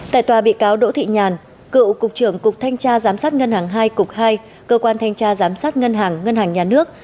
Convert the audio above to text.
tại tòa bị cáo đỗ thị nhàn cựu cục trưởng cục thanh tra giám sát ngân hàng hai cục hai cơ quan thanh tra giám sát ngân hàng ngân hàng nhà nước